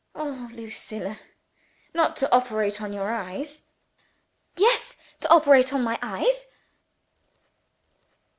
"Oh, Lucilla! not to operate on your eyes?" "Yes to operate on my eyes!"